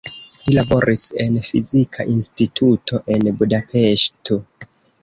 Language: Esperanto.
Li laboris en fizika instituto en Budapeŝto.